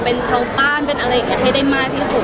เป็นชาวบ้านเป็นอะไรอย่างนี้ให้ได้มากที่สุด